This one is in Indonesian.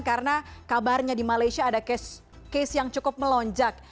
karena kabarnya di malaysia ada case yang cukup melonjak